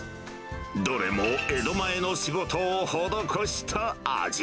どれも江戸前の仕事を施した味。